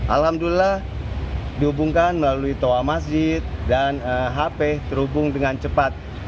alhamdulillah dihubungkan melalui toa masjid dan hp terhubung dengan cepat